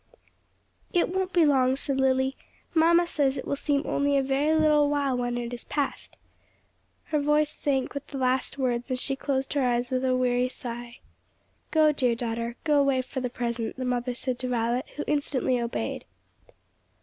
"It won't be long," said Lily. "Mamma says it will seem only a very little while when it is past." Her voice sank with the last words, and she closed her eyes with a weary sigh. "Go, dear daughter, go away for the present," the mother said to Violet, who instantly obeyed.